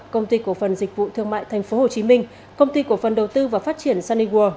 công ty cổ phần dịch vụ thương mại tp hcm công ty cổ phần đầu tư và phát triển sunnyworld